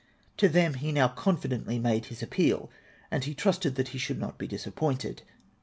To them he now confidently made his appeal, and he trusted that he should not be disappointed.